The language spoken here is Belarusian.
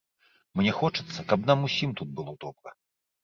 Мне хочацца, каб нам усім тут было добра.